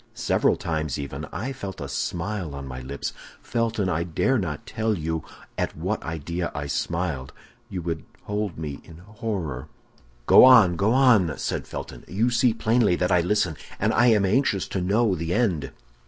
Several times, even, I felt a smile on my lips. Felton, I dare not tell you at what idea I smiled; you would hold me in horror—" "Go on! go on!" said Felton; "you see plainly that I listen, and that I am anxious to know the end."